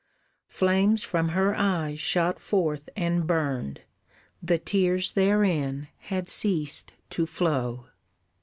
Flames from her eyes shot forth and burned, The tears therein had ceased to flow.